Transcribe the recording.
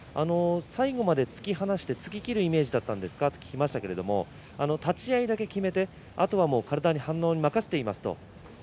最後まで突き放しで突ききるイメージだったんですかと聞きましたら立ち合いに出てきめてあとは体の反応に任せています。